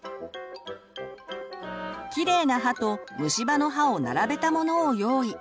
きれいな歯と虫歯の歯を並べたものを用意。